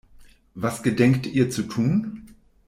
Was gedenkt ihr zu tun?